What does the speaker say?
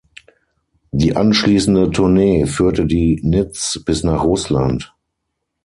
Die anschließende Tournee führte die Nits bis nach Russland.